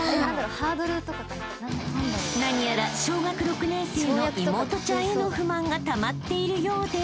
［何やら小学６年生の妹ちゃんへの不満がたまっているようで］